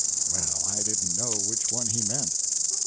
Well, I didn't know which one he meant.